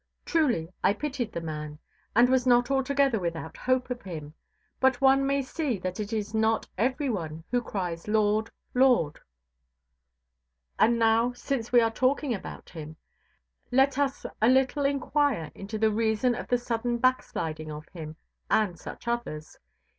Truly I pitied the man, and was not altogether without hope of him; but one may see that it is not every one who cries Lord, Lord. And now, since we are talking about him, let us a little inquire into the reason of the sudden backsliding of him and such others.